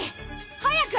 早く！